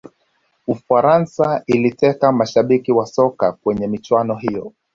ufaransa iliteka mashabiki wa soka kwenye michuano hiyo